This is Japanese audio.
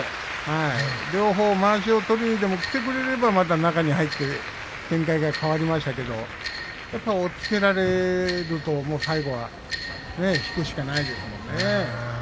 両方まわしを取りにでも来てくれれば中に入って展開が変わりましたけれども押っつけられると最後は引くしかないですものね。